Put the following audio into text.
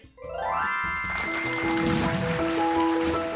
สุดยอด